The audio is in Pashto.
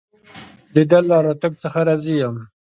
د ده له راتګ څخه راضي یم.